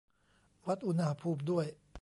วัดอุณหภูมิด้วย